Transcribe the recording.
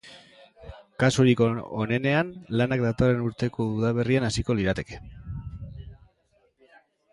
Kasurik onenean, lanak datorren urteko udaberrian hasiko lirateke.